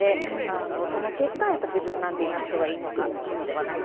その結果、自分なんていなくなった方がいいのではないか。